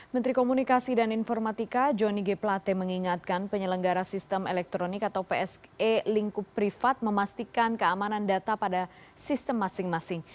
menteri komunikasi dan informatika johnny g plate mengingatkan penyelenggara sistem elektronik atau pse lingkup privat memastikan keamanan data pada sistem masing masing